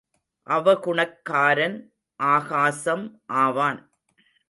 அவகுணக்காரன் ஆகாசம் ஆவான்.